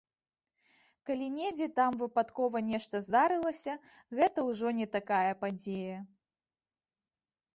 Калі недзе там выпадкова нешта здарылася, гэта ўжо не такая падзея.